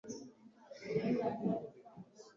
tom ashobora kuba wenyine ushobora gukemura iki kibazo